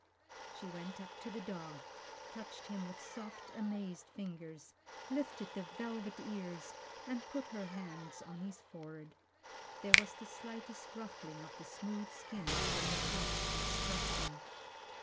She went up to the dog, touched him with soft, amazed fingers, lifted the velvet ears, and put her hands on his forehead. There was the slightest ruffling of the smooth skin where the crutch had struck him.